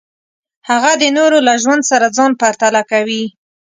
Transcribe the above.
هغه د نورو له ژوند سره ځان پرتله کوي.